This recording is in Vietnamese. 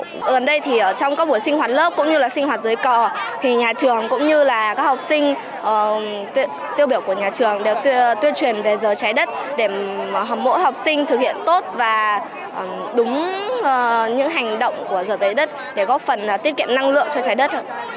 ở đây thì trong các buổi sinh hoạt lớp cũng như là sinh hoạt dưới cò thì nhà trường cũng như là các học sinh tiêu biểu của nhà trường đều tuyên truyền về giờ trái đất để mỗi học sinh thực hiện tốt và đúng những hành động của rửa giấy đất để góp phần tiết kiệm năng lượng cho trái đất